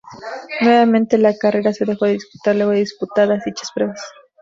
Nuevamente la carrera se dejó de disputar luego de disputadas dichas pruebas.